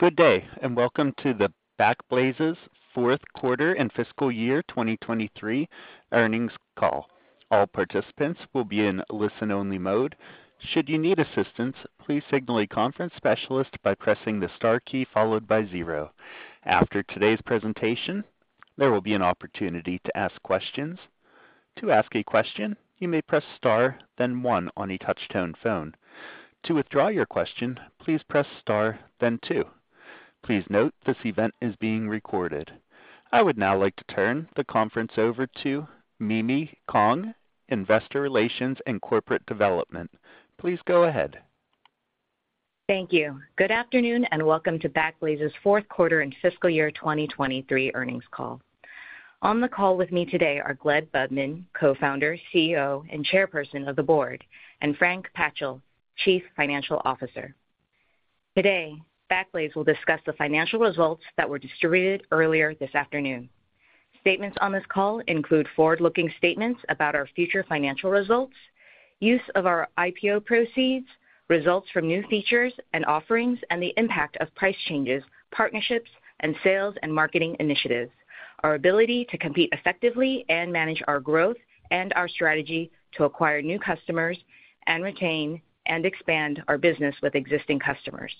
Good day and welcome to the Backblaze's Fourth Quarter and Fiscal Year 2023 Earnings Call. All participants will be in listen-only mode. Should you need assistance, please signal a conference specialist by pressing the star key followed by zero. After today's presentation, there will be an opportunity to ask questions. To ask a question, you may press star then one on a touch-tone phone. To withdraw your question, please press star then two. Please note this event is being recorded. I would now like to turn the conference over to Mimi Kong, Investor Relations and Corporate Development. Please go ahead. Thank you. Good afternoon and welcome to Backblaze's Fourth Quarter and Fiscal Year 2023 Earnings Call. On the call with me today are Gleb Budman, Co-founder, CEO, and Chairperson of the Board, and Frank Patchel, Chief Financial Officer. Today, Backblaze will discuss the financial results that were distributed earlier this afternoon. Statements on this call include forward-looking statements about our future financial results, use of our IPO proceeds, results from new features and offerings, and the impact of price changes, partnerships, and sales and marketing initiatives, our ability to compete effectively and manage our growth and our strategy to acquire new customers and retain and expand our business with existing customers.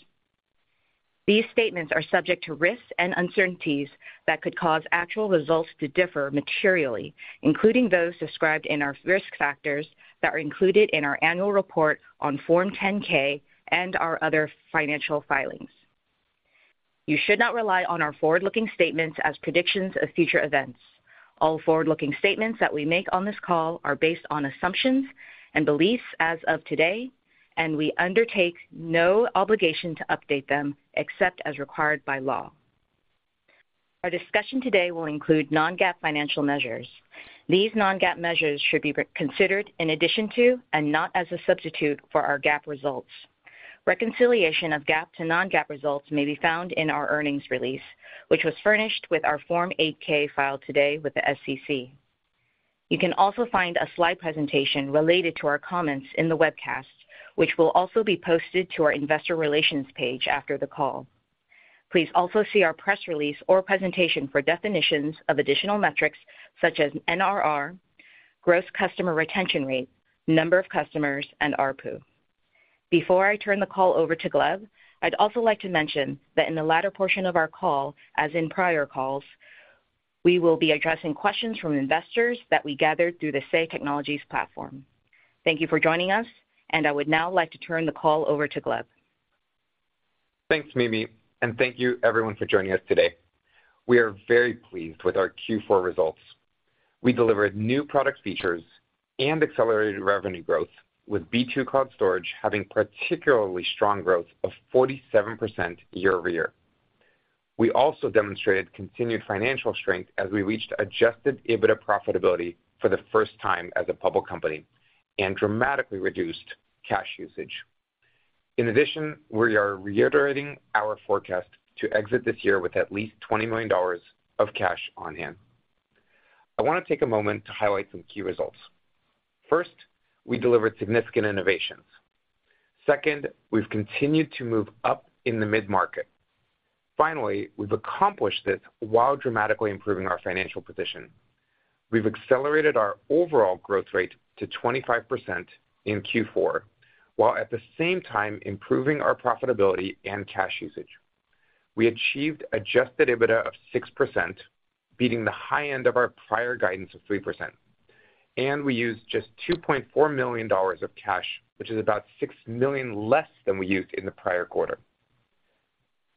These statements are subject to risks and uncertainties that could cause actual results to differ materially, including those described in our risk factors that are included in our annual report on Form 10-K and our other financial filings. You should not rely on our forward-looking statements as predictions of future events. All forward-looking statements that we make on this call are based on assumptions and beliefs as of today, and we undertake no obligation to update them except as required by law. Our discussion today will include non-GAAP financial measures. These non-GAAP measures should be considered in addition to and not as a substitute for our GAAP results. Reconciliation of GAAP to non-GAAP results may be found in our earnings release, which was furnished with our Form 8-K filed today with the SEC. You can also find a slide presentation related to our comments in the webcast, which will also be posted to our Investor Relations page after the call. Please also see our press release or presentation for definitions of additional metrics such as NRR, gross customer retention rate, number of customers, and ARPU. Before I turn the call over to Gleb, I'd also like to mention that in the latter portion of our call, as in prior calls, we will be addressing questions from investors that we gathered through the Say Technologies platform. Thank you for joining us, and I would now like to turn the call over to Gleb. Thanks, Mimi, and thank you, everyone, for joining us today. We are very pleased with our Q4 results. We delivered new product features and accelerated revenue growth, with B2 Cloud Storage having particularly strong growth of 47% year-over-year. We also demonstrated continued financial strength as we reached Adjusted EBITDA profitability for the first time as a public company and dramatically reduced cash usage. In addition, we are reiterating our forecast to exit this year with at least $20 million of cash on hand. I want to take a moment to highlight some key results. First, we delivered significant innovations. Second, we've continued to move up in the mid-market. Finally, we've accomplished this while dramatically improving our financial position. We've accelerated our overall growth rate to 25% in Q4 while at the same time improving our profitability and cash usage. We achieved Adjusted EBITDA of 6%, beating the high end of our prior guidance of 3%, and we used just $2.4 million of cash, which is about $6 million less than we used in the prior quarter.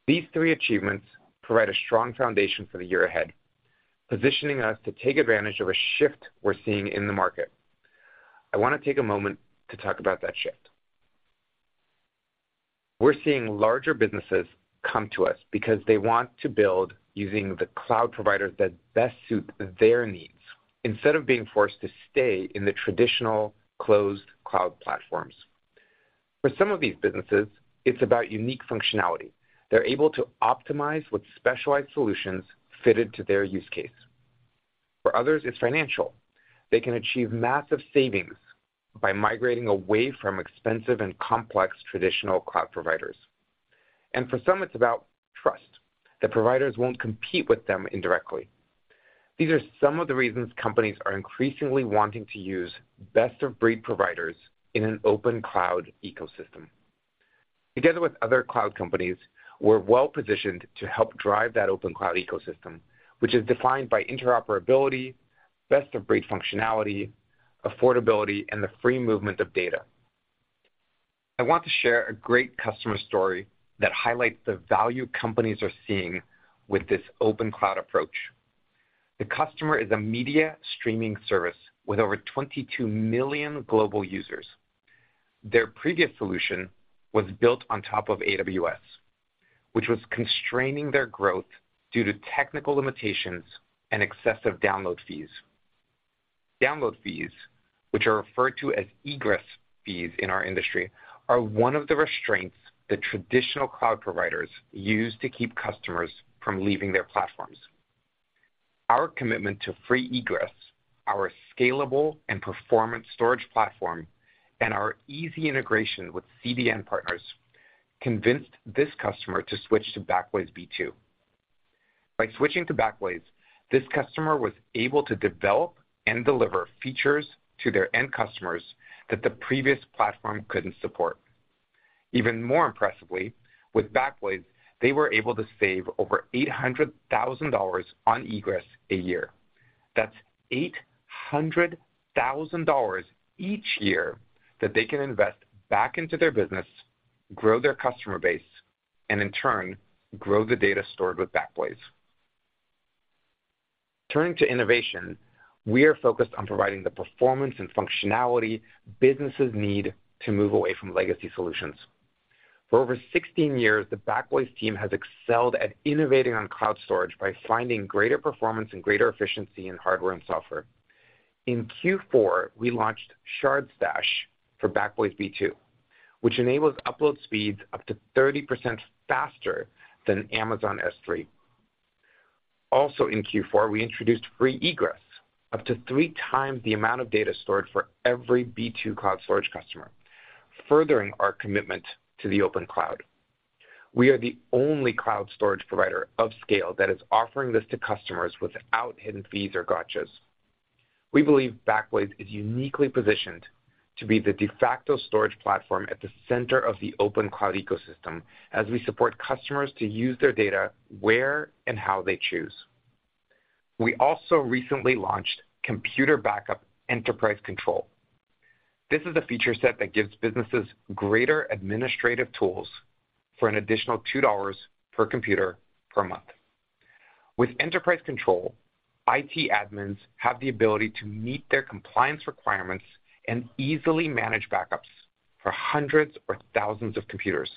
These three achievements provide a strong foundation for the year ahead, positioning us to take advantage of a shift we're seeing in the market. I want to take a moment to talk about that shift. We're seeing larger businesses come to us because they want to build using the cloud providers that best suit their needs instead of being forced to stay in the traditional closed cloud platforms. For some of these businesses, it's about unique functionality. They're able to optimize with specialized solutions fitted to their use case. For others, it's financial. They can achieve massive savings by migrating away from expensive and complex traditional cloud providers. For some, it's about trust that providers won't compete with them indirectly. These are some of the reasons companies are increasingly wanting to use best-of-breed providers in an open cloud ecosystem. Together with other cloud companies, we're well-positioned to help drive that open cloud ecosystem, which is defined by interoperability, best-of-breed functionality, affordability, and the free movement of data. I want to share a great customer story that highlights the value companies are seeing with this open cloud approach. The customer is a media streaming service with over 22 million global users. Their previous solution was built on top of AWS, which was constraining their growth due to technical limitations and excessive download fees. Download fees, which are referred to as egress fees in our industry, are one of the restraints that traditional cloud providers use to keep customers from leaving their platforms. Our commitment to free egress, our scalable and performant storage platform, and our easy integration with CDN Partners convinced this customer to switch to Backblaze B2. By switching to Backblaze, this customer was able to develop and deliver features to their end customers that the previous platform couldn't support. Even more impressively, with Backblaze, they were able to save over $800,000 on egress a year. That's $800,000 each year that they can invest back into their business, grow their customer base, and in turn, grow the data stored with Backblaze. Turning to innovation, we are focused on providing the performance and functionality businesses need to move away from legacy solutions. For over 16 years, the Backblaze team has excelled at innovating on cloud storage by finding greater performance and greater efficiency in hardware and software. In Q4, we launched Shard Stash for Backblaze B2, which enables upload speeds up to 30% faster than Amazon S3. Also in Q4, we introduced free egress, up to three times the amount of data stored for every B2 Cloud Storage customer, furthering our commitment to the open cloud. We are the only cloud storage provider of scale that is offering this to customers without hidden fees or gotchas. We believe Backblaze is uniquely positioned to be the de facto storage platform at the center of the open cloud ecosystem as we support customers to use their data where and how they choose. We also recently launched Computer Backup Enterprise Control. This is a feature set that gives businesses greater administrative tools for an additional $2 per computer per month. With Enterprise Control, IT admins have the ability to meet their compliance requirements and easily manage backups for hundreds or thousands of computers.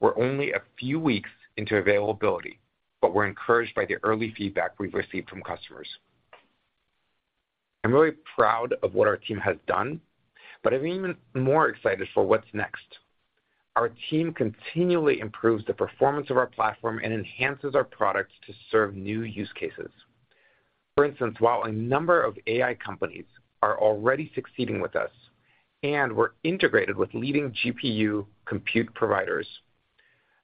We're only a few weeks into availability, but we're encouraged by the early feedback we've received from customers. I'm really proud of what our team has done, but I'm even more excited for what's next. Our team continually improves the performance of our platform and enhances our products to serve new use cases. For instance, while a number of AI companies are already succeeding with us and we're integrated with leading GPU compute providers,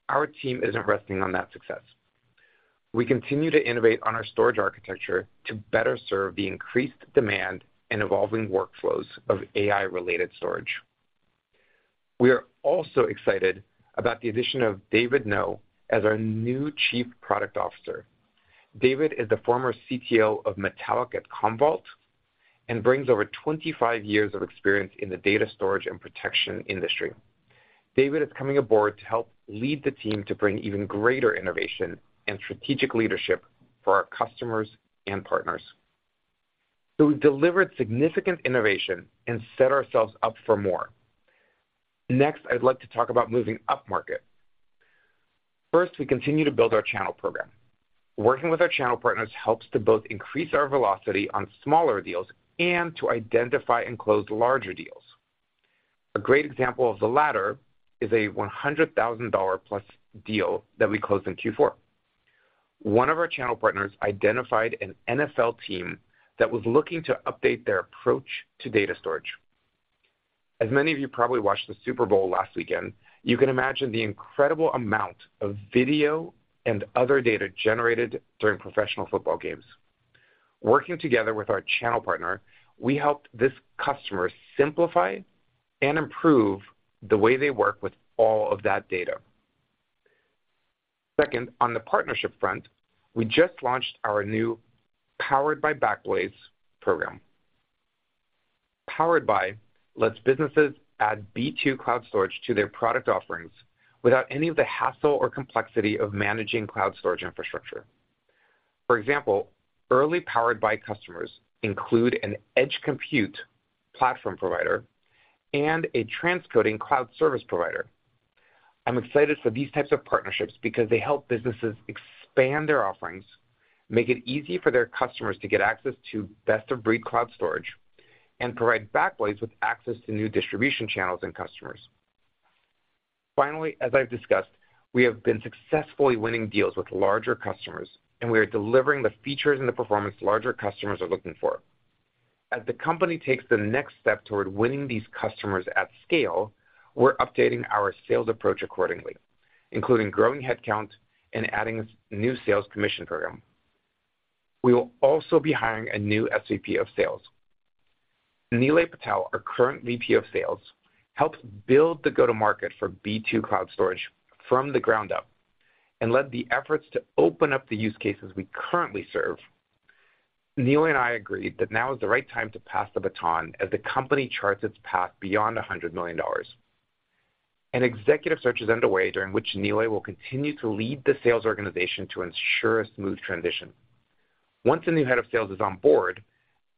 our team isn't resting on that success. We continue to innovate on our storage architecture to better serve the increased demand and evolving workflows of AI-related storage. We are also excited about the addition of David Ngo as our new Chief Product Officer. David is the former CTO of Metallic at Commvault and brings over 25 years of experience in the data storage and protection industry. David is coming aboard to help lead the team to bring even greater innovation and strategic leadership for our customers and partners. We've delivered significant innovation and set ourselves up for more. Next, I'd like to talk about moving up market. First, we continue to build our channel program. Working with our channel partners helps to both increase our velocity on smaller deals and to identify and close larger deals. A great example of the latter is a $100,000+ deal that we closed in Q4. One of our channel partners identified an NFL team that was looking to update their approach to data storage. As many of you probably watched the Super Bowl last weekend, you can imagine the incredible amount of video and other data generated during professional football games. Working together with our channel partner, we helped this customer simplify and improve the way they work with all of that data. Second, on the partnership front, we just launched our new Powered by Backblaze program. Powered by lets businesses add B2 Cloud Storage to their product offerings without any of the hassle or complexity of managing cloud storage infrastructure. For example, early Powered by customers include an edge compute platform provider and a transcoding cloud service provider. I'm excited for these types of partnerships because they help businesses expand their offerings, make it easy for their customers to get access to best-of-breed cloud storage, and provide Backblaze with access to new distribution channels and customers. Finally, as I've discussed, we have been successfully winning deals with larger customers, and we are delivering the features and the performance larger customers are looking for. As the company takes the next step toward winning these customers at scale, we're updating our sales approach accordingly, including growing headcount and adding a new sales commission program. We will also be hiring a new SVP of Sales. Nilay Patel, our current VP of Sales, helped build the go-to-market for B2 Cloud Storage from the ground up and led the efforts to open up the use cases we currently serve. Nilay and I agreed that now is the right time to pass the baton as the company charts its path beyond $100 million. An executive search is underway during which Nilay will continue to lead the sales organization to ensure a smooth transition. Once the new head of sales is on board,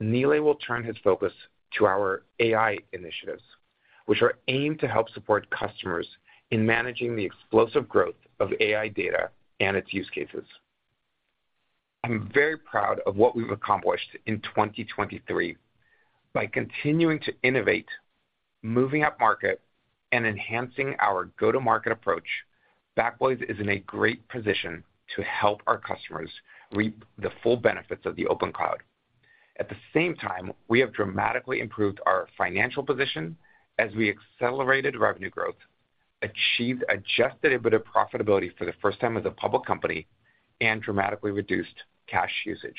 Nilay will turn his focus to our AI initiatives, which are aimed to help support customers in managing the explosive growth of AI data and its use cases. I'm very proud of what we've accomplished in 2023. By continuing to innovate, moving up market, and enhancing our go-to-market approach, Backblaze is in a great position to help our customers reap the full benefits of the open cloud. At the same time, we have dramatically improved our financial position as we accelerated revenue growth, achieved Adjusted EBITDA profitability for the first time as a public company, and dramatically reduced cash usage.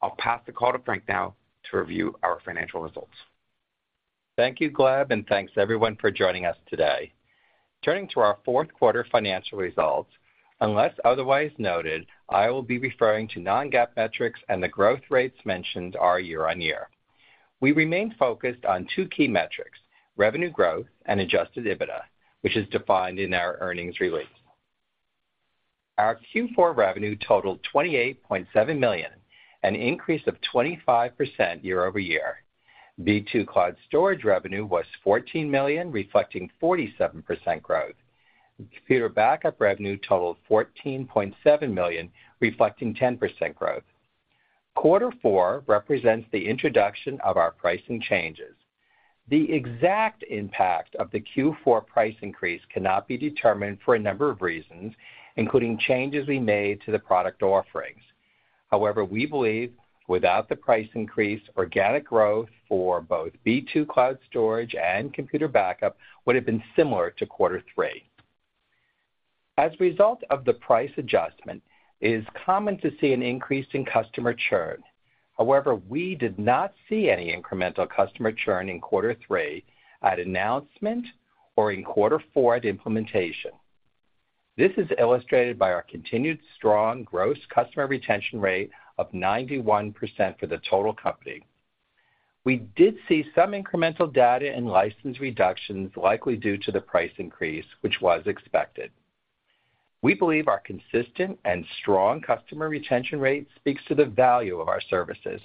I'll pass the call to Frank now to review our financial results. Thank you, Gleb, and thanks, everyone, for joining us today. Turning to our fourth-quarter financial results, unless otherwise noted, I will be referring to non-GAAP metrics and the growth rates mentioned are year-over-year. We remain focused on two key metrics, revenue growth and Adjusted EBITDA, which is defined in our earnings release. Our Q4 revenue totaled $28.7 million, an increase of 25% year-over-year. B2 Cloud Storage revenue was $14 million, reflecting 47% growth. Computer Backup revenue totaled $14.7 million, reflecting 10% growth. Quarter four represents the introduction of our pricing changes. The exact impact of the Q4 price increase cannot be determined for a number of reasons, including changes we made to the product offerings. However, we believe without the price increase, organic growth for both B2 Cloud Storage and Computer Backup would have been similar to quarter three. As a result of the price adjustment, it is common to see an increase in customer churn. However, we did not see any incremental customer churn in quarter three at announcement or in quarter four at implementation. This is illustrated by our continued strong gross customer retention rate of 91% for the total company. We did see some incremental data and license reductions likely due to the price increase, which was expected. We believe our consistent and strong customer retention rate speaks to the value of our services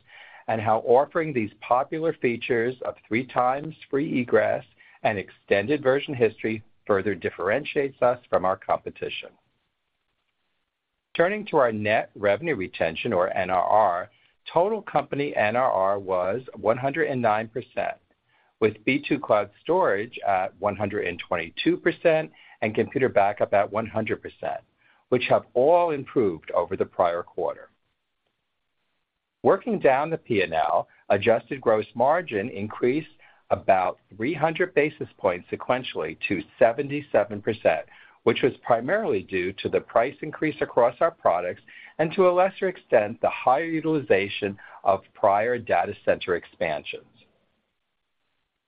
and how offering these popular features of 3x free egress and extended version history further differentiates us from our competition. Turning to our net revenue retention, or NRR, total company NRR was 109%, with B2 Cloud Storage at 122% and Computer Backup at 100%, which have all improved over the prior quarter. Working down the P&L, adjusted gross margin increased about 300 basis points sequentially to 77%, which was primarily due to the price increase across our products and to a lesser extent, the higher utilization of prior data center expansions.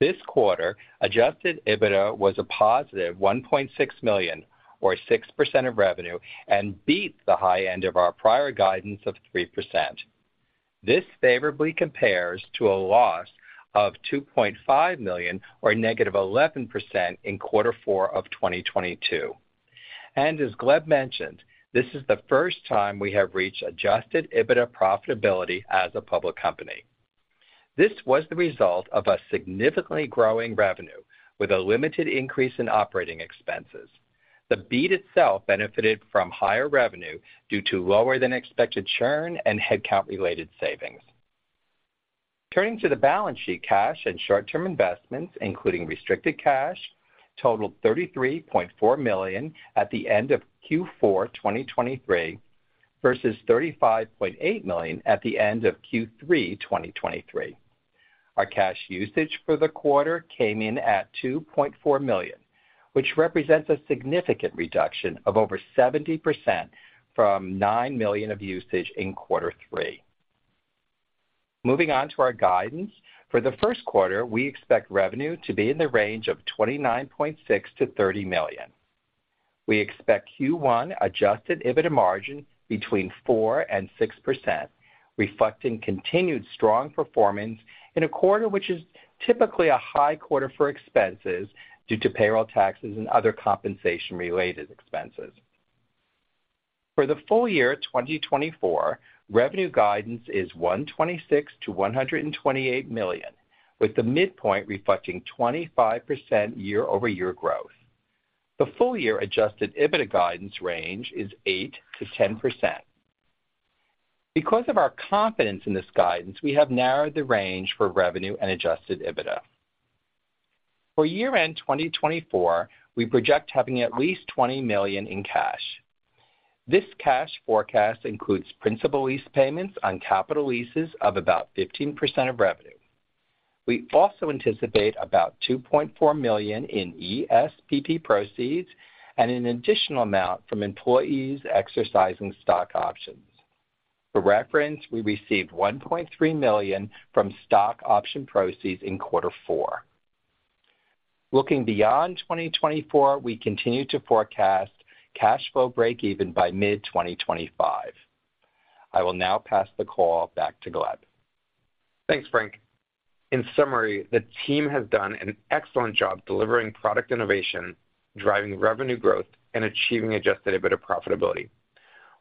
This quarter, adjusted EBITDA was a positive $1.6 million, or 6% of revenue, and beat the high end of our prior guidance of 3%. This favorably compares to a loss of $2.5 million, or -11%, in quarter four of 2022. As Gleb mentioned, this is the first time we have reached adjusted EBITDA profitability as a public company. This was the result of a significantly growing revenue with a limited increase in operating expenses. The beat itself benefited from higher revenue due to lower-than-expected churn and headcount-related savings. Turning to the balance sheet, cash and short-term investments, including restricted cash, totaled $33.4 million at the end of Q4 2023 versus $35.8 million at the end of Q3 2023. Our cash usage for the quarter came in at $2.4 million, which represents a significant reduction of over 70% from $9 million of usage in quarter three. Moving on to our guidance, for the first quarter, we expect revenue to be in the range of $29.6-$30 million. We expect Q1 Adjusted EBITDA margin between 4%-6%, reflecting continued strong performance in a quarter which is typically a high quarter for expenses due to payroll taxes and other compensation-related expenses. For the full year 2024, revenue guidance is $126-$128 million, with the midpoint reflecting 25% year-over-year growth. The full year Adjusted EBITDA guidance range is 8%-10%. Because of our confidence in this guidance, we have narrowed the range for revenue and Adjusted EBITDA. For year-end 2024, we project having at least $20 million in cash. This cash forecast includes principal lease payments on capital leases of about 15% of revenue. We also anticipate about $2.4 million in ESPP proceeds and an additional amount from employees exercising stock options. For reference, we received $1.3 million from stock option proceeds in quarter four. Looking beyond 2024, we continue to forecast cash flow breakeven by mid-2025. I will now pass the call back to Gleb. Thanks, Frank. In summary, the team has done an excellent job delivering product innovation, driving revenue growth, and achieving Adjusted EBITDA profitability.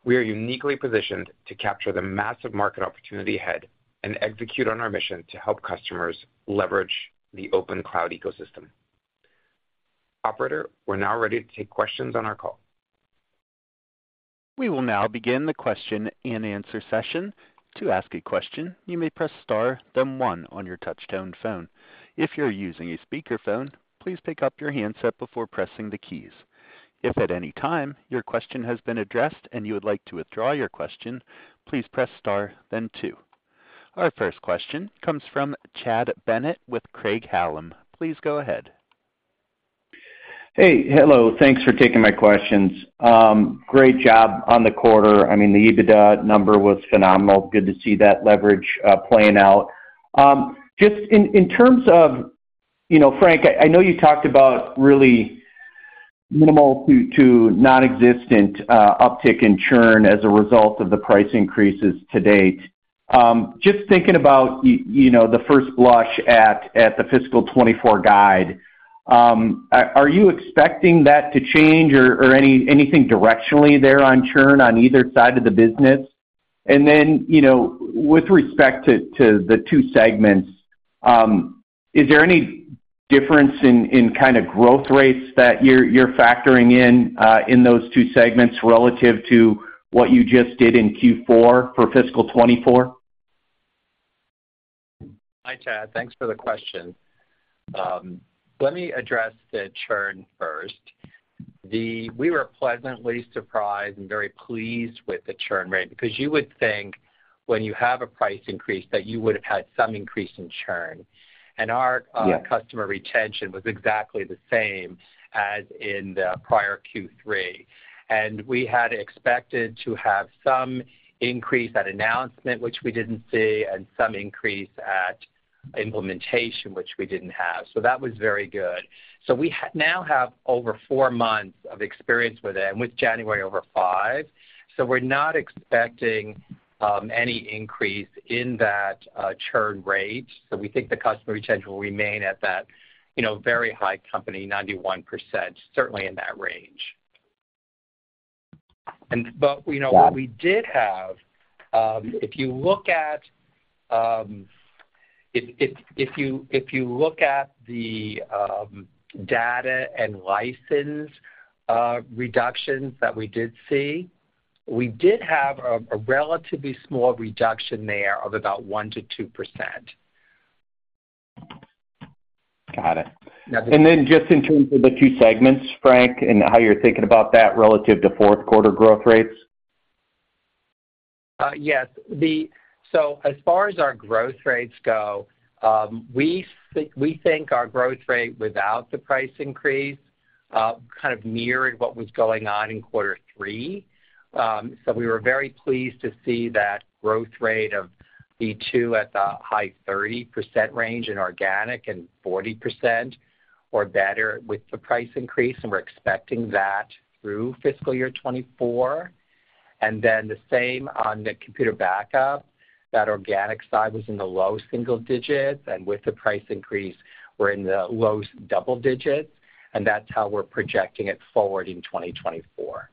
We are uniquely positioned to capture the massive market opportunity ahead and execute on our mission to help customers leverage the open cloud ecosystem. Operator, we're now ready to take questions on our call. We will now begin the question and answer session. To ask a question, you may press star, then one on your touch-tone phone. If you're using a speakerphone, please pick up your handset before pressing the keys. If at any time your question has been addressed and you would like to withdraw your question, please press star, then two. Our first question comes from Chad Bennett with Craig-Hallum. Please go ahead. Hey. Hello. Thanks for taking my questions. Great job on the quarter. I mean, the EBITDA number was phenomenal. Good to see that leverage playing out. Just in terms of Frank, I know you talked about really minimal to nonexistent uptick in churn as a result of the price increases to date. Just thinking about the first blush at the fiscal 2024 guide, are you expecting that to change or anything directionally there on churn on either side of the business? And then with respect to the two segments, is there any difference in kind of growth rates that you're factoring in in those two segments relative to what you just did in Q4 for fiscal 2024? Hi, Chad. Thanks for the question. Let me address the churn first. We were pleasantly surprised and very pleased with the churn rate because you would think when you have a price increase that you would have had some increase in churn. And our customer retention was exactly the same as in the prior Q3. And we had expected to have some increase at announcement, which we didn't see, and some increase at implementation, which we didn't have. So that was very good. So we now have over four months of experience with it and with January over five. So we're not expecting any increase in that churn rate. So we think the customer retention will remain at that very high company, 91%, certainly in that range. But we did have, if you look at the data and license reductions that we did see, we did have a relatively small reduction there of about 1%-2%. Got it. And then just in terms of the two segments, Frank, and how you're thinking about that relative to fourth-quarter growth rates? Yes. So as far as our growth rates go, we think our growth rate without the price increase kind of mirrored what was going on in quarter three. So we were very pleased to see that growth rate of B2 at the high 30% range in organic and 40% or better with the price increase. And we're expecting that through fiscal year 2024. And then the same on the computer backup. That organic side was in the low single digits. And with the price increase, we're in the low double digits. And that's how we're projecting it forward in 2024.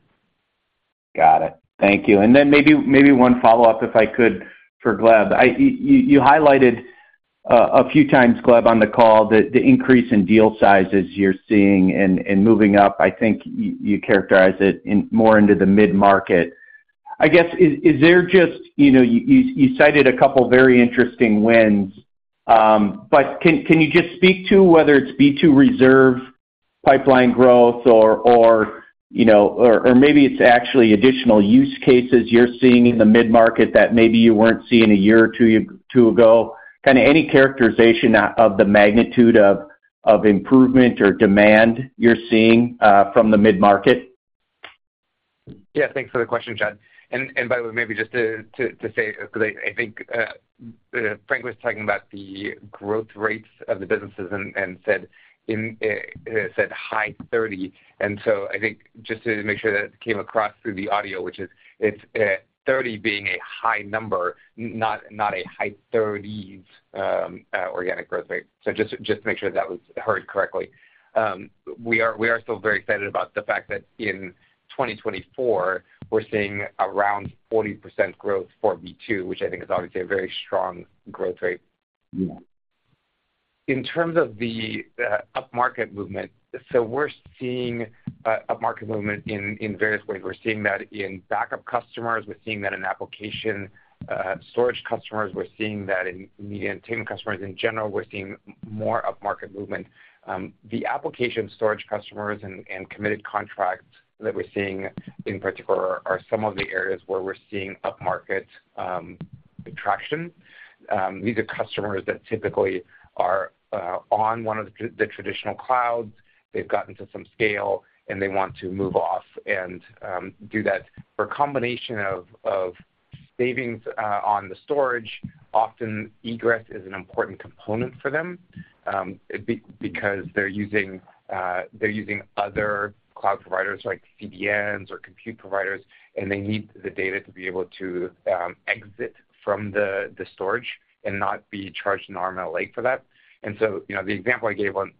Got it. Thank you. And then maybe one follow-up if I could for Gleb. You highlighted a few times, Gleb, on the call the increase in deal sizes you're seeing and moving up. I think you characterized it more into the mid-market. I guess, is there just you cited a couple of very interesting wins. But can you just speak to whether it's B2 Reserve pipeline growth or maybe it's actually additional use cases you're seeing in the mid-market that maybe you weren't seeing a year or two ago? Kind of any characterization of the magnitude of improvement or demand you're seeing from the mid-market? Yeah. Thanks for the question, Chad. And by the way, maybe just to say because I think Frank was talking about the growth rates of the businesses and said high 30. And so I think just to make sure that came across through the audio, which is 30 being a high number, not a high 30s organic growth rate. So just to make sure that was heard correctly. We are still very excited about the fact that in 2024, we're seeing around 40% growth for B2, which I think is obviously a very strong growth rate. In terms of the upmarket movement, so we're seeing upmarket movement in various ways. We're seeing that in backup customers. We're seeing that in application storage customers. We're seeing that in media entertainment customers in general. We're seeing more upmarket movement. The application storage customers and committed contracts that we're seeing in particular are some of the areas where we're seeing upmarket attraction. These are customers that typically are on one of the traditional clouds. They've gotten to some scale, and they want to move off and do that. For a combination of savings on the storage, often egress is an important component for them because they're using other cloud providers like CDNs or compute providers, and they need the data to be able to exit from the storage and not be charged an arm and a leg for that. And so the example I gave on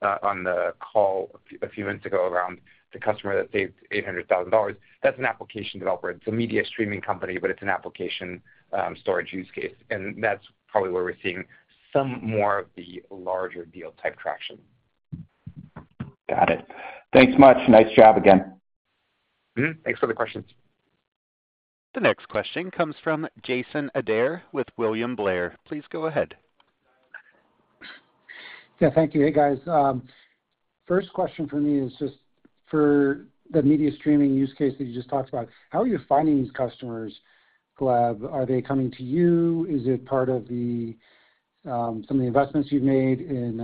the call a few minutes ago around the customer that saved $800,000, that's an application developer. It's a media streaming company, but it's an application storage use case. And that's probably where we're seeing some more of the larger deal-type traction. Got it. Thanks much. Nice job again. Thanks for the questions. The next question comes from Jason Ader with William Blair. Please go ahead. Yeah. Thank you. Hey, guys. First question for me is just for the media streaming use case that you just talked about, how are you finding these customers, Gleb? Are they coming to you? Is it part of some of the investments you've made in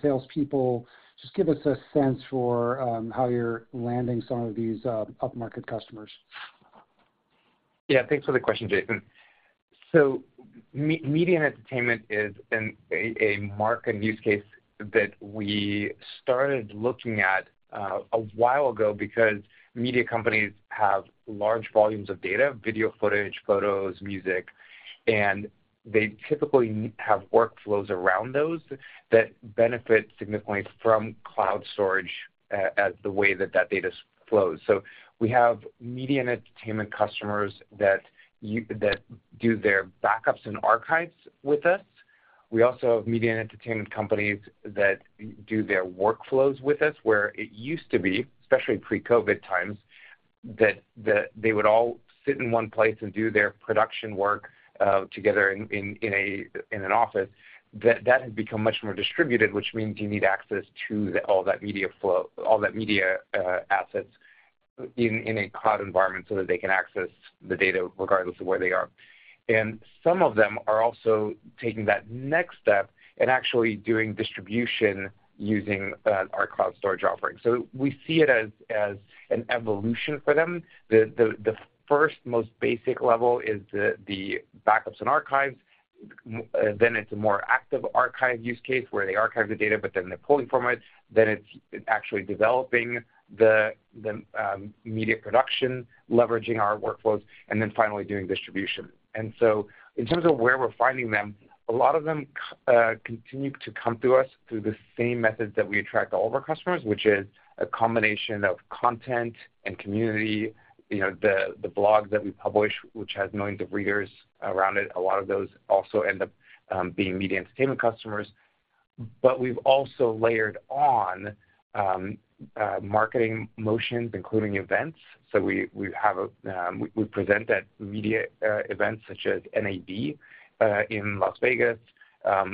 salespeople? Just give us a sense for how you're landing some of these upmarket customers. Yeah. Thanks for the question, Jason. So media and entertainment is a market use case that we started looking at a while ago because media companies have large volumes of data, video footage, photos, music, and they typically have workflows around those that benefit significantly from cloud storage as the way that that data flows. So we have media and entertainment customers that do their backups and archives with us. We also have media and entertainment companies that do their workflows with us where it used to be, especially pre-COVID times, that they would all sit in one place and do their production work together in an office. That has become much more distributed, which means you need access to all that media flow, all that media assets in a cloud environment so that they can access the data regardless of where they are. Some of them are also taking that next step and actually doing distribution using our cloud storage offering. We see it as an evolution for them. The first most basic level is the backups and archives. Then it's a more active archive use case where they archive the data, but then they're pulling from it. Then it's actually developing the media production, leveraging our workflows, and then finally doing distribution. In terms of where we're finding them, a lot of them continue to come to us through the same methods that we attract all of our customers, which is a combination of content and community. The blogs that we publish, which has millions of readers around it, a lot of those also end up being media entertainment customers. We've also layered on marketing motions, including events. So we present at media events such as NAB in Las Vegas.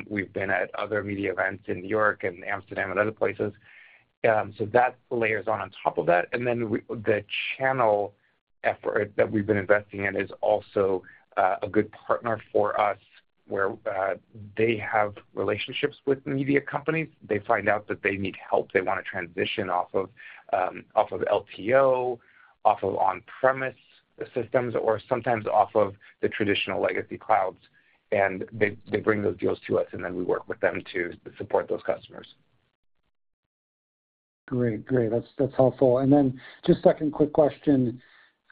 We've been at other media events in New York and Amsterdam and other places. So that layers on top of that. And then the channel effort that we've been investing in is also a good partner for us where they have relationships with media companies. They find out that they need help. They want to transition off of LTO, off of on-premise systems, or sometimes off of the traditional legacy clouds. And they bring those deals to us, and then we work with them to support those customers. Great. Great. That's helpful. And then just second quick question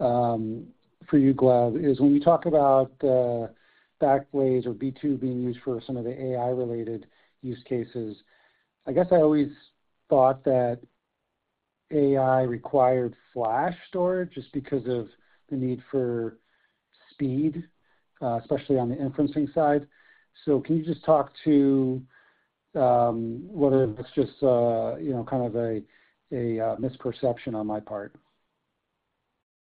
for you, Gleb, is when you talk about the Backblaze or B2 being used for some of the AI-related use cases, I guess I always thought that AI required flash storage just because of the need for speed, especially on the inferencing side. So can you just talk to whether that's just kind of a misperception on my part?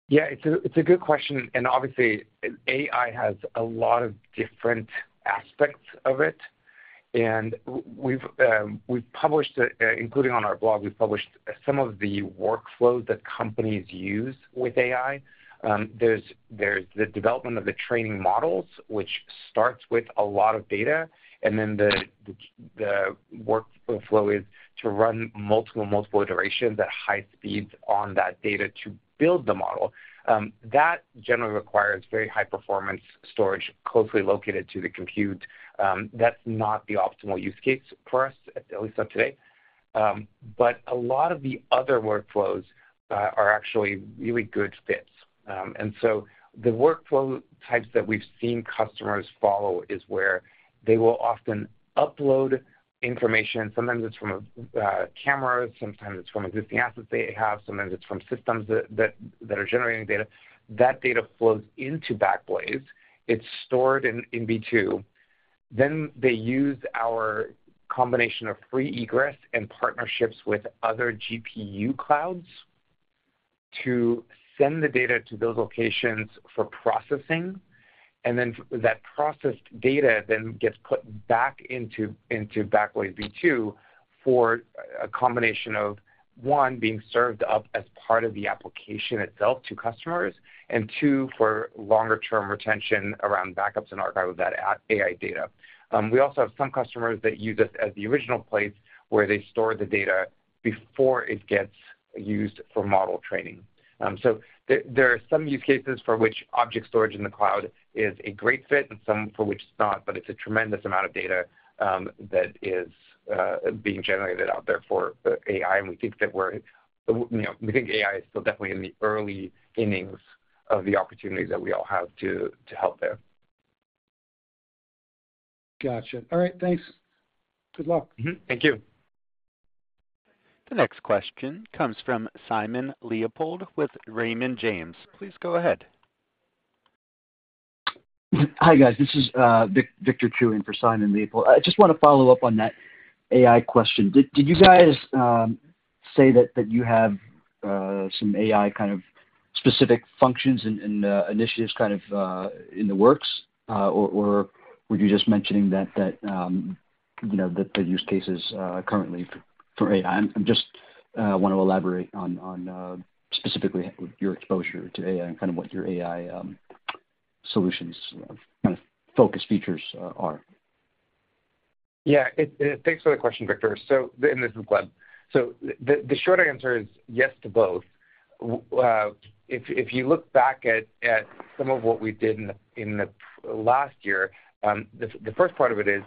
Yeah. It's a good question. Obviously, AI has a lot of different aspects of it. We've published, including on our blog, some of the workflows that companies use with AI. There's the development of the training models, which starts with a lot of data. Then the workflow is to run multiple, multiple iterations at high speeds on that data to build the model. That generally requires very high-performance storage closely located to the compute. That's not the optimal use case for us, at least not today. But a lot of the other workflows are actually really good fits. So the workflow types that we've seen customers follow is where they will often upload information. Sometimes it's from cameras. Sometimes it's from existing assets they have. Sometimes it's from systems that are generating data. That data flows into Backblaze. It's stored in B2. Then they use our combination of free egress and partnerships with other GPU clouds to send the data to those locations for processing. And then that processed data then gets put back into Backblaze B2 for a combination of, one, being served up as part of the application itself to customers, and two, for longer-term retention around backups and archive of that AI data. We also have some customers that use us as the original place where they store the data before it gets used for model training. So there are some use cases for which object storage in the cloud is a great fit and some for which it's not. But it's a tremendous amount of data that is being generated out there for AI. We think that AI is still definitely in the early innings of the opportunities that we all have to help there. Gotcha. All right. Thanks. Good luck. Thank you. The next question comes from Simon Leopold with Raymond James. Please go ahead. Hi, guys. This is Victor Chiu for Simon Leopold. I just want to follow up on that AI question. Did you guys say that you have some AI kind of specific functions and initiatives kind of in the works, or were you just mentioning that the use case is currently for AI? I just want to elaborate on specifically your exposure to AI and kind of what your AI solutions kind of focus features are. Yeah. Thanks for the question, Victor. And this is Gleb. So the short answer is yes to both. If you look back at some of what we did in the last year, the first part of it is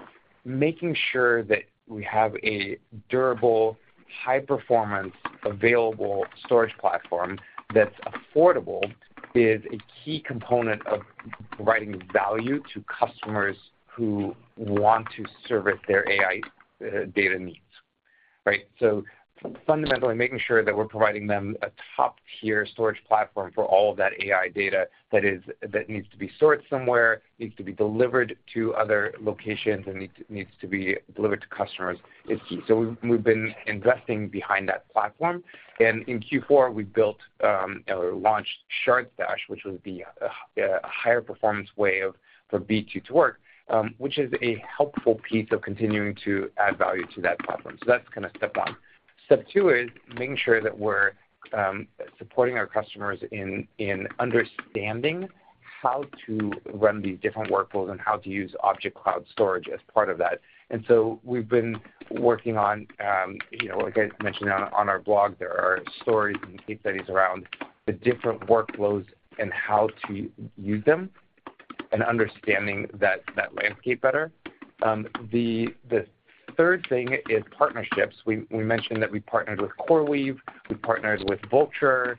making sure that we have a durable, high-performance, available storage platform that's affordable is a key component of providing value to customers who want to service their AI data needs, right? So fundamentally, making sure that we're providing them a top-tier storage platform for all of that AI data that needs to be stored somewhere, needs to be delivered to other locations, and needs to be delivered to customers is key. So we've been investing behind that platform. And in Q4, we built or launched Shard Stash, which was the higher-performance way for B2 to work, which is a helpful piece of continuing to add value to that platform. So that's kind of step one. Step two is making sure that we're supporting our customers in understanding how to run these different workflows and how to use object cloud storage as part of that. And so we've been working on, like I mentioned on our blog, there are stories and case studies around the different workflows and how to use them and understanding that landscape better. The third thing is partnerships. We mentioned that we partnered with CoreWeave. We partnered with Vultr.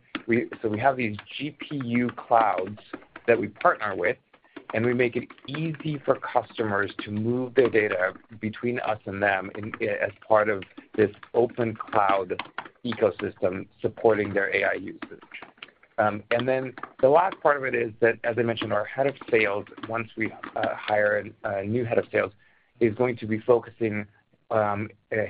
So we have these GPU clouds that we partner with, and we make it easy for customers to move their data between us and them as part of this open cloud ecosystem supporting their AI usage. Then the last part of it is that, as I mentioned, our head of sales, once we hire a new head of sales, is going to be focusing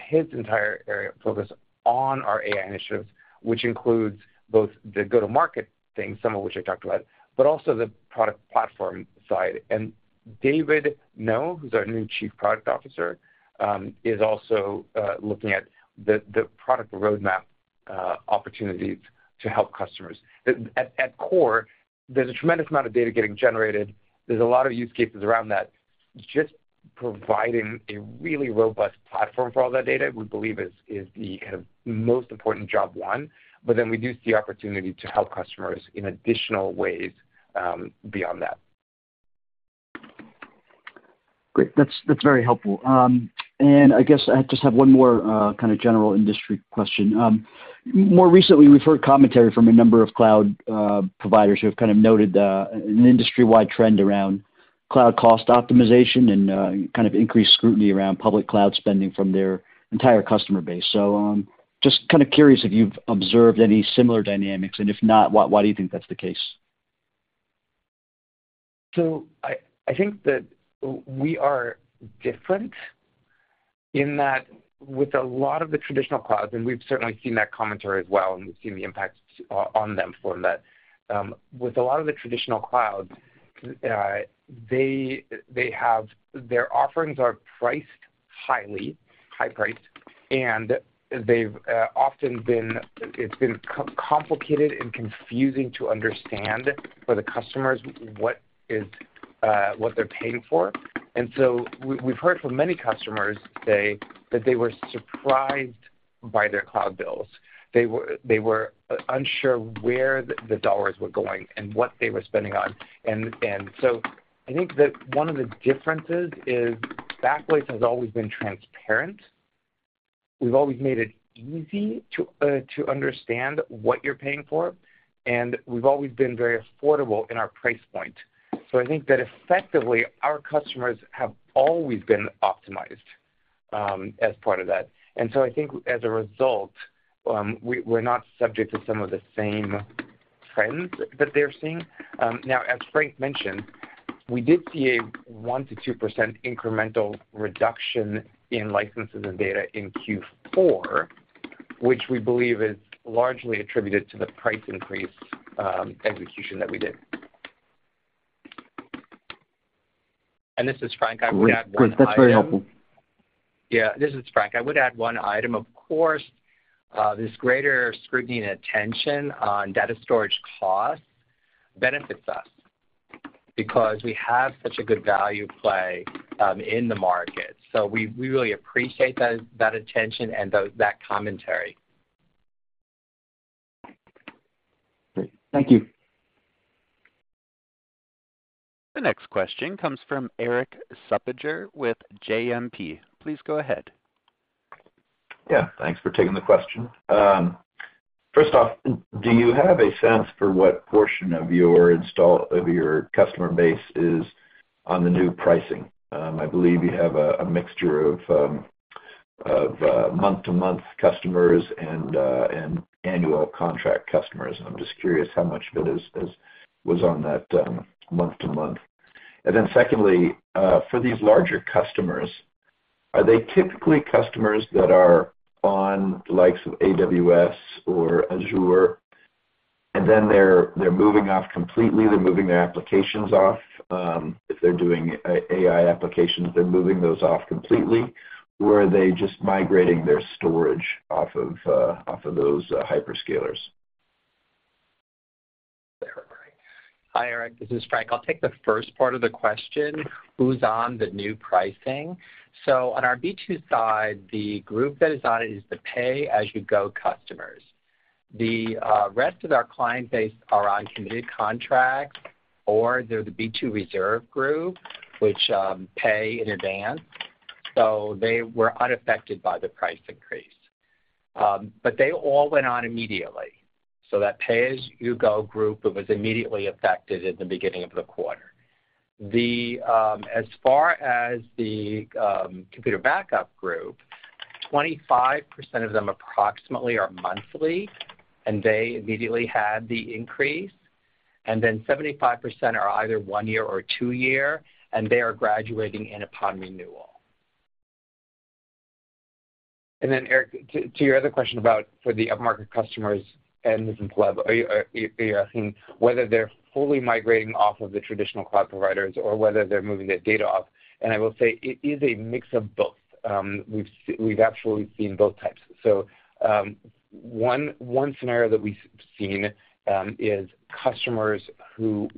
his entire area of focus on our AI initiatives, which includes both the go-to-market thing, some of which I talked about, but also the product platform side. David Ngo, who's our new Chief Product Officer, is also looking at the product roadmap opportunities to help customers. At core, there's a tremendous amount of data getting generated. There's a lot of use cases around that. Just providing a really robust platform for all that data, we believe, is the kind of most important job one. But then we do see opportunity to help customers in additional ways beyond that. Great. That's very helpful. And I guess I just have one more kind of general industry question. More recently, we've heard commentary from a number of cloud providers who have kind of noted an industry-wide trend around cloud cost optimization and kind of increased scrutiny around public cloud spending from their entire customer base. So just kind of curious if you've observed any similar dynamics? And if not, why do you think that's the case? So I think that we are different in that with a lot of the traditional clouds and we've certainly seen that commentary as well, and we've seen the impacts on them from that. With a lot of the traditional clouds, their offerings are priced highly, high-priced, and it's been complicated and confusing to understand for the customers what they're paying for. And so we've heard from many customers say that they were surprised by their cloud bills. They were unsure where the dollars were going and what they were spending on. And so I think that one of the differences is Backblaze has always been transparent. We've always made it easy to understand what you're paying for, and we've always been very affordable in our price point. So I think that effectively, our customers have always been optimized as part of that. And so I think, as a result, we're not subject to some of the same trends that they're seeing. Now, as Frank mentioned, we did see a 1%-2% incremental reduction in licenses and data in Q4, which we believe is largely attributed to the price increase execution that we did. This is Frank. I would add one item. Great. That's very helpful. Yeah. This is Frank. I would add one item. Of course, this greater scrutiny and attention on data storage costs benefits us because we have such a good value play in the market. So we really appreciate that attention and that commentary. Great. Thank you. The next question comes from Eric Suppiger with JMP. Please go ahead. Yeah. Thanks for taking the question. First off, do you have a sense for what portion of your customer base is on the new pricing? I believe you have a mixture of month-to-month customers and annual contract customers. And I'm just curious how much of it was on that month-to-month. And then secondly, for these larger customers, are they typically customers that are on the likes of AWS or Azure, and then they're moving off completely? They're moving their applications off. If they're doing AI applications, they're moving those off completely, or are they just migrating their storage off of those hyperscalers? Hi, Eric. This is Frank. I'll take the first part of the question. Who's on the new pricing? So on our B2 side, the group that is on it is the pay-as-you-go customers. The rest of our client base are on committed contracts, or they're the B2 Reserve group, which pay in advance. So they were unaffected by the price increase. But they all went on immediately. So that pay-as-you-go group, it was immediately affected at the beginning of the quarter. As far as the Computer Backup group, 25% of them approximately are monthly, and they immediately had the increase. And then 75% are either one-year or two-year, and they are graduating in upon renewal. Then, Eric, to your other question about for the upmarket customers, and this is Gleb, are you asking whether they're fully migrating off of the traditional cloud providers or whether they're moving their data off? I will say it is a mix of both. We've actually seen both types. One scenario that we've seen is customers who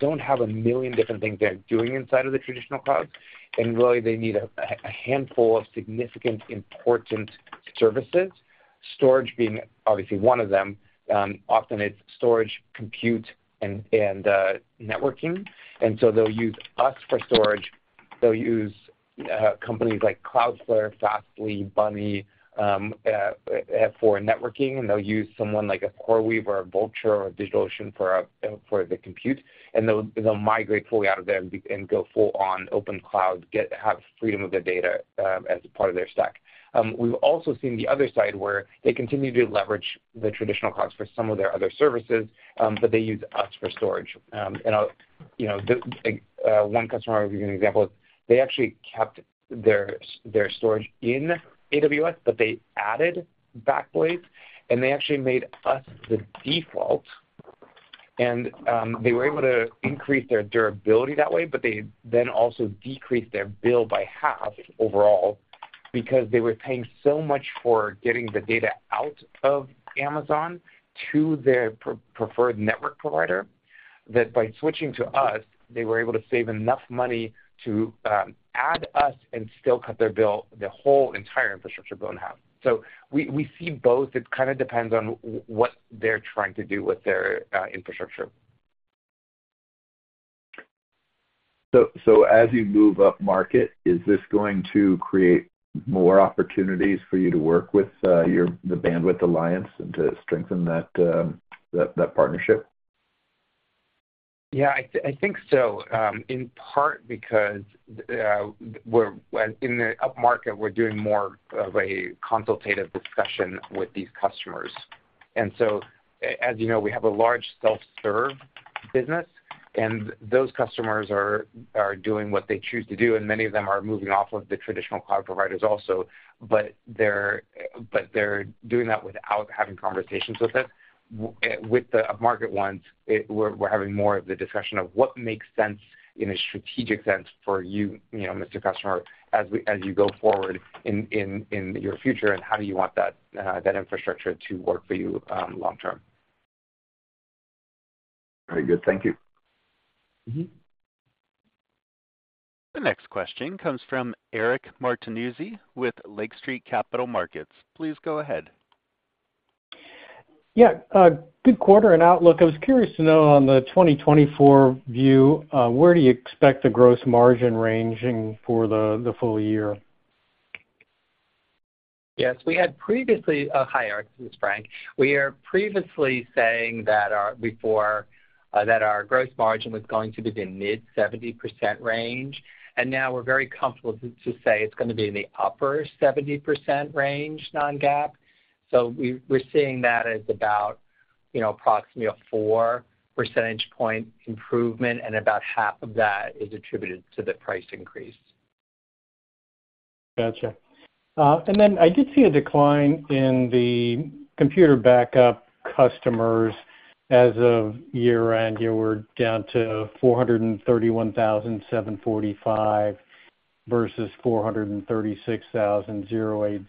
don't have a million different things they're doing inside of the traditional clouds, and really, they need a handful of significant, important services, storage being obviously one of them. Often, it's storage, compute, and networking. They'll use us for storage. They'll use companies like Cloudflare, Fastly, Bunny for networking, and they'll use someone like a CoreWeave or a Vultr or a DigitalOcean for the compute. They'll migrate fully out of there and go full-on open cloud, have freedom of their data as part of their stack. We've also seen the other side where they continue to leverage the traditional clouds for some of their other services, but they use us for storage. And one customer I was using as an example is they actually kept their storage in AWS, but they added Backblaze, and they actually made us the default. And they were able to increase their durability that way, but they then also decreased their bill by half overall because they were paying so much for getting the data out of Amazon to their preferred network provider that by switching to us, they were able to save enough money to add us and still cut their bill, their whole entire infrastructure bill in half. So we see both. It kind of depends on what they're trying to do with their infrastructure. As you move up market, is this going to create more opportunities for you to work with the Bandwidth Alliance and to strengthen that partnership? Yeah. I think so, in part because in the upmarket, we're doing more of a consultative discussion with these customers. And so, as you know, we have a large self-serve business, and those customers are doing what they choose to do. And many of them are moving off of the traditional cloud providers also, but they're doing that without having conversations with us. With the upmarket ones, we're having more of the discussion of what makes sense in a strategic sense for you, Mr. Customer, as you go forward in your future, and how do you want that infrastructure to work for you long-term? Very good. Thank you. The next question comes from Eric Martinuzzi with Lake Street Capital Markets. Please go ahead. Yeah. Good quarter and outlook. I was curious to know on the 2024 view, where do you expect the gross margin ranging for the full year? Yes. This is Frank. We are previously saying before that our gross margin was going to be the mid-70% range. And now we're very comfortable to say it's going to be in the upper 70% range non-GAAP. So we're seeing that as about approximately a four percentage point improvement, and about half of that is attributed to the price increase. Gotcha. And then I did see a decline in the computer backup customers as of year-end. We're down to 431,745 versus 436,080.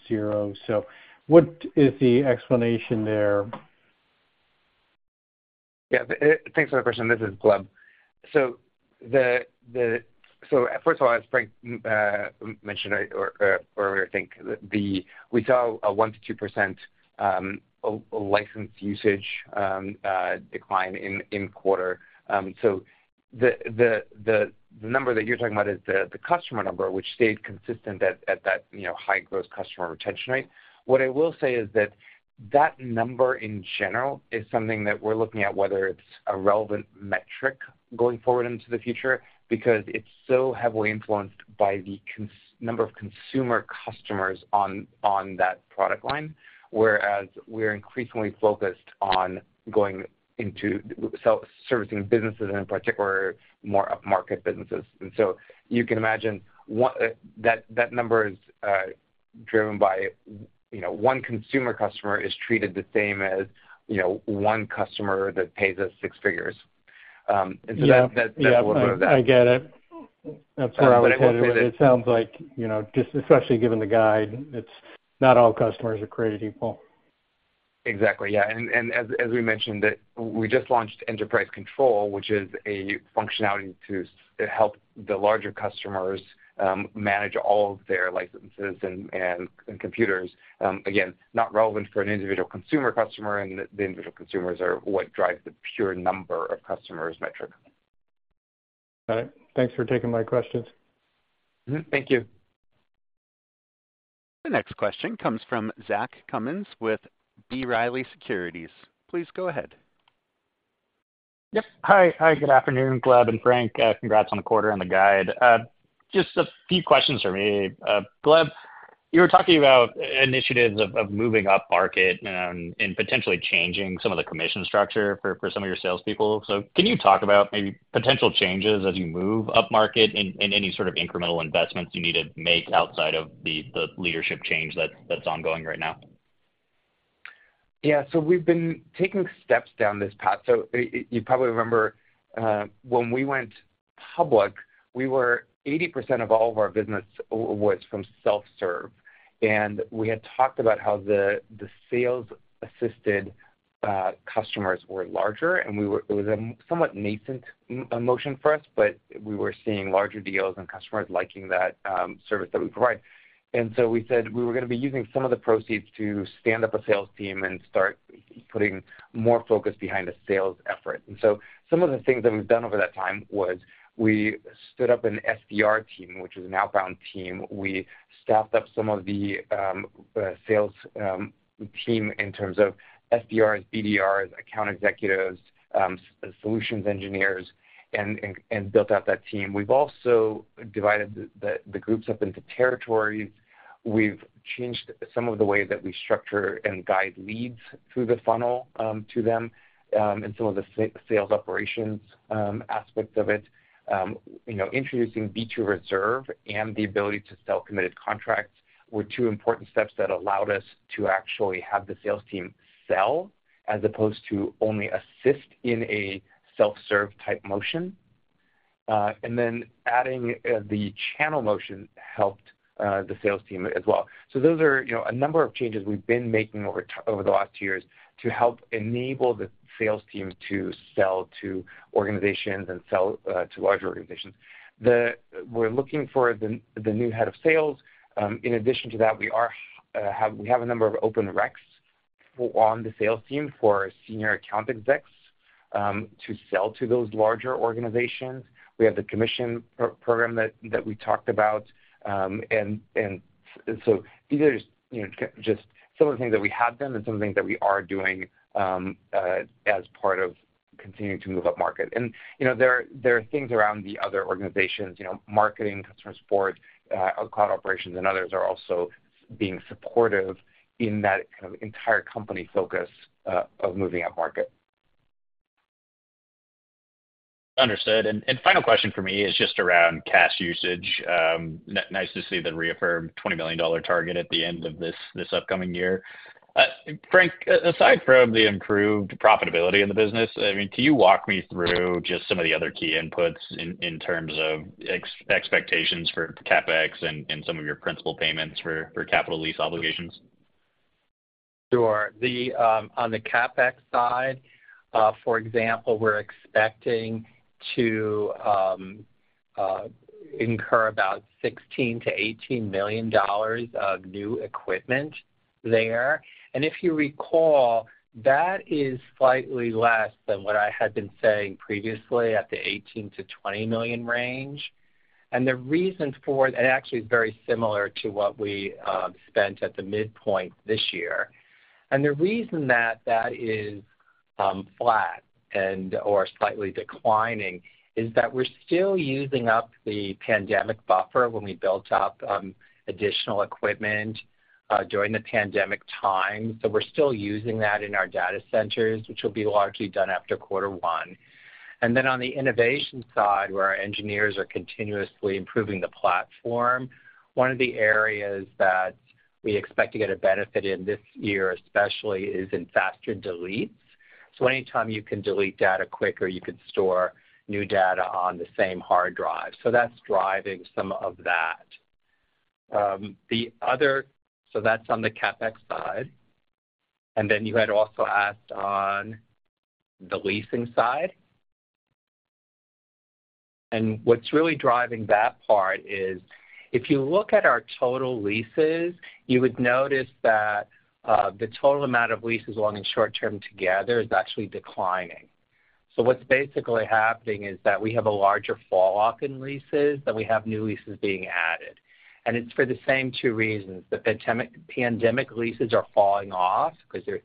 So what is the explanation there? Yeah. Thanks for the question. This is Gleb. So first of all, as Frank mentioned earlier, I think we saw a 1%-2% license usage decline in quarter. So the number that you're talking about is the customer number, which stayed consistent at that high gross customer retention rate. What I will say is that that number, in general, is something that we're looking at whether it's a relevant metric going forward into the future because it's so heavily influenced by the number of consumer customers on that product line, whereas we're increasingly focused on going into servicing businesses and, in particular, more upmarket businesses. And so you can imagine that number is driven by one consumer customer is treated the same as one customer that pays us six figures. And so that's a little bit of that. Yeah. I get it. That's where I was headed. It sounds like, especially given the guide, not all customers are created equal. Exactly. Yeah. And as we mentioned, we just launched Enterprise Control, which is a functionality to help the larger customers manage all of their licenses and computers. Again, not relevant for an individual consumer customer, and the individual consumers are what drives the pure number of customers metric. Got it. Thanks for taking my questions. Thank you. The next question comes from Zach Cummins with B. Riley Securities. Please go ahead. Yep. Hi. Good afternoon, Gleb and Frank. Congrats on the quarter and the guide. Just a few questions for me. Gleb, you were talking about initiatives of moving up market and potentially changing some of the commission structure for some of your salespeople. So can you talk about maybe potential changes as you move up market and any sort of incremental investments you need to make outside of the leadership change that's ongoing right now? Yeah. So we've been taking steps down this path. So you probably remember when we went public, 80% of all of our business was from self-serve. We had talked about how the sales-assisted customers were larger. It was a somewhat nascent motion for us, but we were seeing larger deals and customers liking that service that we provide. So we said we were going to be using some of the proceeds to stand up a sales team and start putting more focus behind a sales effort. Some of the things that we've done over that time was we stood up an SDR team, which is an outbound team. We staffed up some of the sales team in terms of SDRs, BDRs, account executives, solutions engineers, and built out that team. We've also divided the groups up into territories. We've changed some of the ways that we structure and guide leads through the funnel to them and some of the sales operations aspects of it. Introducing B2 Reserve and the ability to sell committed contracts were two important steps that allowed us to actually have the sales team sell as opposed to only assist in a self-serve-type motion. Then adding the channel motion helped the sales team as well. Those are a number of changes we've been making over the last two years to help enable the sales team to sell to organizations and sell to larger organizations. We're looking for the new head of sales. In addition to that, we have a number of open recs on the sales team for senior account execs to sell to those larger organizations. We have the commission program that we talked about. These are just some of the things that we have done and some of the things that we are doing as part of continuing to move up market. There are things around the other organizations. Marketing, Customer Support, Cloud operations, and others are also being supportive in that kind of entire company focus of moving up market. Understood. And final question for me is just around cash usage. Nice to see the reaffirmed $20 million target at the end of this upcoming year. Frank, aside from the improved profitability in the business, I mean, can you walk me through just some of the other key inputs in terms of expectations for CapEx and some of your principal payments for capital lease obligations? Sure. On the CapEx side, for example, we're expecting to incur about $16 million-$18 million of new equipment there. If you recall, that is slightly less than what I had been saying previously at the $18 million-$20 million range. The reason for that actually is very similar to what we spent at the midpoint this year. The reason that that is flat or slightly declining is that we're still using up the pandemic buffer when we built up additional equipment during the pandemic time. So we're still using that in our data centers, which will be largely done after quarter one. Then on the innovation side, where our engineers are continuously improving the platform, one of the areas that we expect to get a benefit in this year, especially, is in faster deletes. So anytime you can delete data quicker, you can store new data on the same hard drive. So that's driving some of that. So that's on the CapEx side. And then you had also asked on the leasing side. And what's really driving that part is if you look at our total leases, you would notice that the total amount of leases long and short-term together is actually declining. So what's basically happening is that we have a larger falloff in leases than we have new leases being added. And it's for the same two reasons. The pandemic leases are falling off because a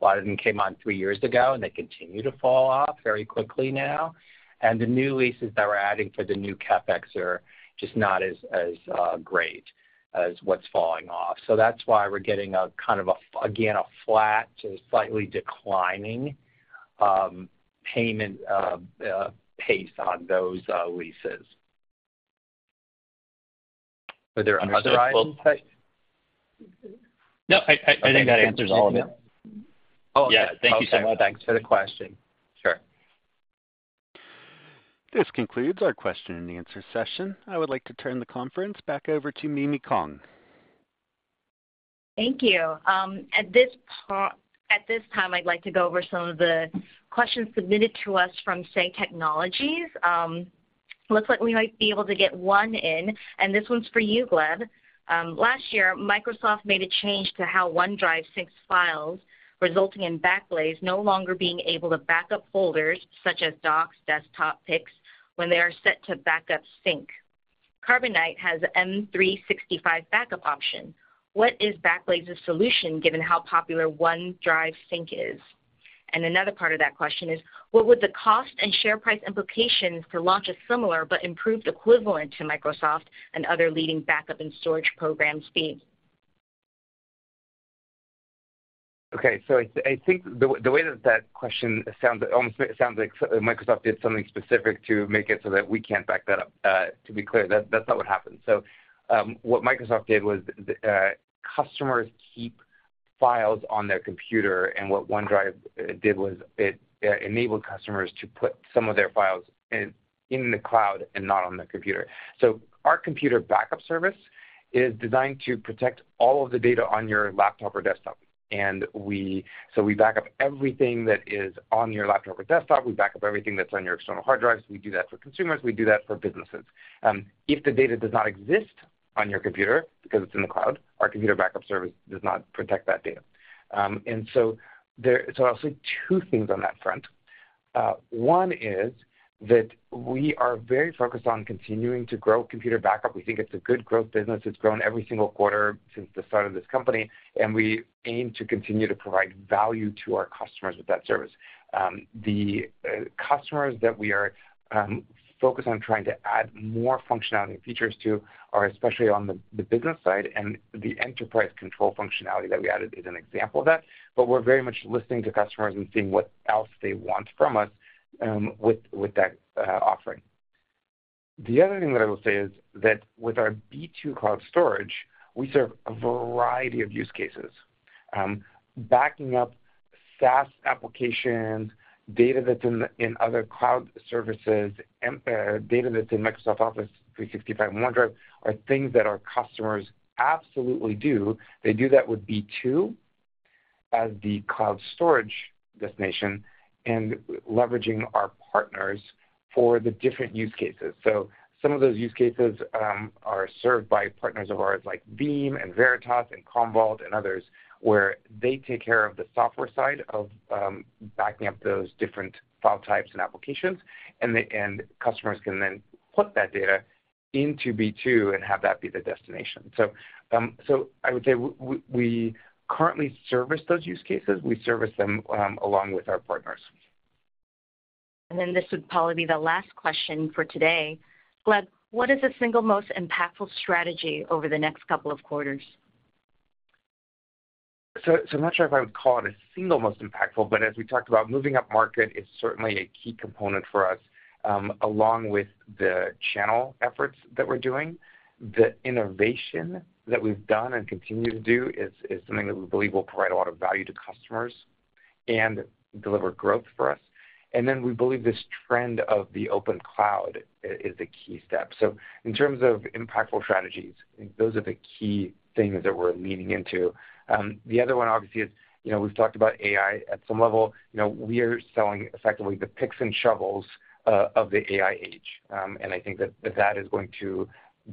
lot of them came on three years ago, and they continue to fall off very quickly now. And the new leases that we're adding for the new CapEx are just not as great as what's falling off. That's why we're getting kind of, again, a flat to slightly declining payment pace on those leases. Are there other items? No, I think that answers all of it. Oh, yeah. Thank you so much. Thanks for the question. Sure. This concludes our question-and-answer session. I would like to turn the conference back over to Mimi Kong. Thank you. At this time, I'd like to go over some of the questions submitted to us from Say Technologies. Looks like we might be able to get one in. And this one's for you, Gleb. Last year, Microsoft made a change to how OneDrive syncs files, resulting in Backblaze no longer being able to back up folders such as Docs, Desktop, Pics when they are set to backup sync. Carbonite has an M365 backup option. What is Backblaze's solution given how popular OneDrive sync is? And another part of that question is, what would the cost and share price implications to launch a similar but improved equivalent to Microsoft and other leading backup and storage programs be? Okay. So I think the way that that question sounds almost sounds like Microsoft did something specific to make it so that we can't back that up. To be clear, that's not what happened. So what Microsoft did was customers keep files on their computer. And what OneDrive did was it enabled customers to put some of their files in the cloud and not on their computer. So our computer backup service is designed to protect all of the data on your laptop or desktop. And so we back up everything that is on your laptop or desktop. We back up everything that's on your external hard drives. We do that for consumers. We do that for businesses. If the data does not exist on your computer because it's in the cloud, our computer backup service does not protect that data. And so I'll say two things on that front. One is that we are very focused on continuing to grow computer backup. We think it's a good growth business. It's grown every single quarter since the start of this company. We aim to continue to provide value to our customers with that service. The customers that we are focused on trying to add more functionality and features to are especially on the business side. The Enterprise Control functionality that we added is an example of that. We're very much listening to customers and seeing what else they want from us with that offering. The other thing that I will say is that with our B2 Cloud Storage, we serve a variety of use cases. Backing up SaaS applications, data that's in other cloud services, data that's in Microsoft 365 and OneDrive are things that our customers absolutely do. They do that with B2 as the cloud storage destination and leveraging our partners for the different use cases. So some of those use cases are served by partners of ours like Veeam and Veritas and Commvault and others, where they take care of the software side of backing up those different file types and applications. And customers can then put that data into B2 and have that be the destination. So I would say we currently service those use cases. We service them along with our partners. Then this would probably be the last question for today. Gleb, what is a single most impactful strategy over the next couple of quarters? So I'm not sure if I would call it a single most impactful. But as we talked about, moving up market is certainly a key component for us along with the channel efforts that we're doing. The innovation that we've done and continue to do is something that we believe will provide a lot of value to customers and deliver growth for us. And then we believe this trend of the open cloud is a key step. So in terms of impactful strategies, those are the key things that we're leaning into. The other one, obviously, is we've talked about AI at some level. We are selling, effectively, the picks and shovels of the AI age. And I think that that is going to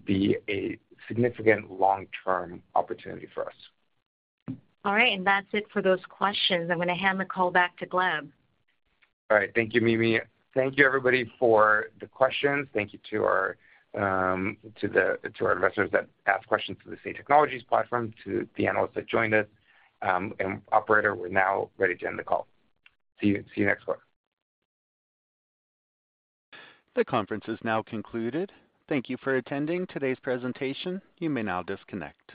be a significant long-term opportunity for us. All right. That's it for those questions. I'm going to hand the call back to Gleb. All right. Thank you, Mimi. Thank you, everybody, for the questions. Thank you to our investors that asked questions to the Say Technologies platform, to the analysts that joined us. Operator, we're now ready to end the call. See you next quarter. The conference is now concluded. Thank you for attending today's presentation. You may now disconnect.